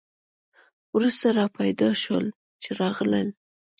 وروسته را پیدا شول چې راغلل.